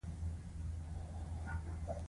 د نورو لپاره ځان ګټه رسوونکی وګرځوي.